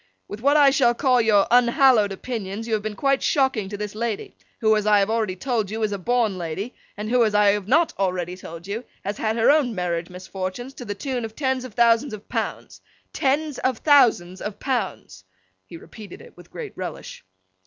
'With what I shall call your unhallowed opinions, you have been quite shocking this lady: who, as I have already told you, is a born lady, and who, as I have not already told you, has had her own marriage misfortunes to the tune of tens of thousands of pounds—tens of Thousands of Pounds!' (he repeated it with great relish).